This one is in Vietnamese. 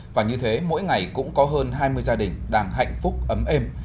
và như thế mỗi ngày cũng có hơn hai mươi gia đình đang hạnh phúc ấm êm